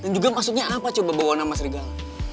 dan juga maksudnya apa coba bawa nama srigal